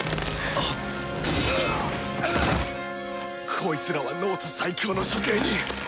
こいつらは脳人最強の処刑人。